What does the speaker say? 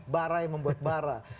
barra yang membuat barra